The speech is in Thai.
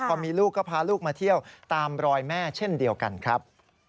พอมีลูกก็พาลูกมาเที่ยวตามรอยแม่เช่นเดียวกันครับ